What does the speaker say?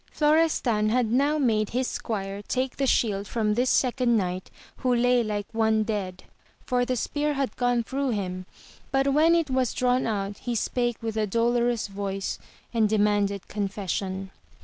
Florestan had now made his squire take the shield from this second knight who lay like one dead, for the spear had gone through him, but when it was drawn out he spake with a dolorous voice, and de manded confession.